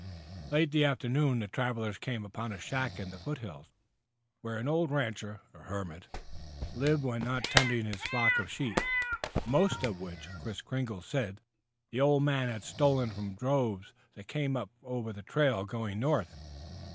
Late that afternoon the travelers came upon a shack in the foothills, where an old rancher, a hermit, lived when not tending his little flock of sheep, most of which, Kris Kringle said, the old man had stolen from droves that came up over the trail going north.